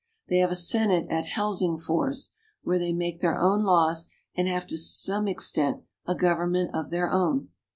They have a senate at Hel singf ors, where they make their own laws and have to some extent a government of their own.